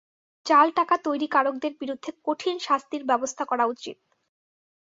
জাল টাকা তৈরিকারকদের বিরুদ্ধে কঠিন শাস্তির ব্যবস্থা করা উচিত।